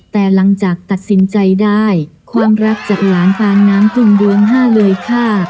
แต่หลังจากตัดสินใจได้ความรักจากหลานปานน้ำกลุ่มดวง๕เลยค่ะ